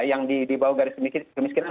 yang di bawah garis kemiskinan